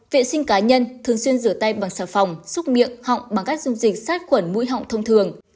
vệ sinh cá nhân thường xuyên rửa tay bằng xà phòng xúc miệng họng bằng các dung dịch sát khuẩn mũi họng thông thường